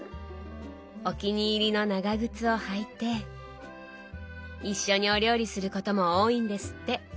お気に入りの長靴を履いて一緒にお料理することも多いんですって。